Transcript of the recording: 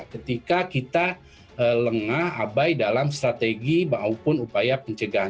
ketika kita lengah abai dalam strategi maupun upaya pencegahan